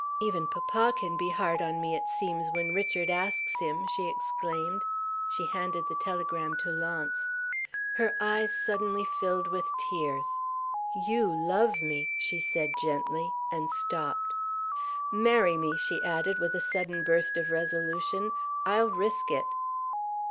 "Even papa can be hard on me, it seems, when Richard asks him!" she exclaimed. She handed the telegram to Launce. Her eyes suddenly filled with tears. "You love me," she said, gently and stopped. "Marry me!" she added, with a sudden burst of resolution. "I'll risk it!"